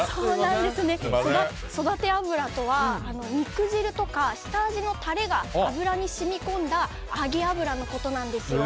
育て油とは肉汁とか下味のタレが油に染み込んだ揚げ油のことなんですよ。